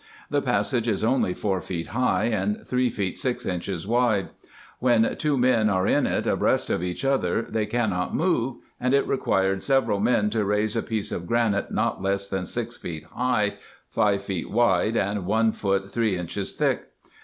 The passage is only four feet high, and three feet six inches wide. When two men are in it abreast of each other they cannot move, and it required several men to raise a piece of granite not less than six feet high, five feet wide, and one foot three inches thick.